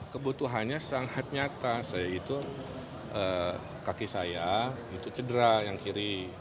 kebutuhannya sangat nyata yaitu kaki saya cedera yang kiri